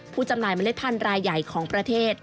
จำหน่ายเมล็ดพันธุ์รายใหญ่ของประเทศ